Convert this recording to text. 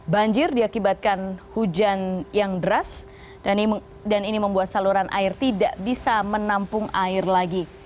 banjir diakibatkan hujan yang deras dan ini membuat saluran air tidak bisa menampung air lagi